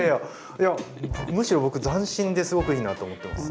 いやむしろ僕斬新ですごくいいなと思ってます。